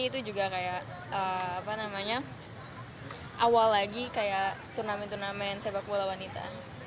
itu juga kayak awal lagi kayak turnamen turnamen sepak bola wanita